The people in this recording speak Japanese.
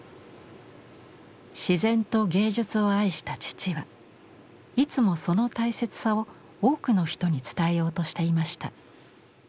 自然と芸術を愛した父はいつもその大切さを多くの人に伝えようとしていました。